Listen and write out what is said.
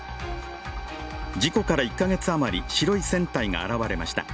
事故から１カ月余り、白い船体が現れました。